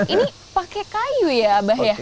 ini pakai kayu ya abah ya